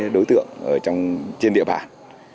đối tượng trên địa bàn